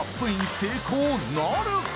成功なるか！？